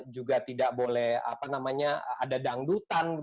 juga tidak boleh ada dangdutan